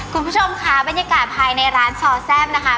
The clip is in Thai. คุณผู้ชมค่ะบรรยากาศภายในร้านซอแซ่บนะคะ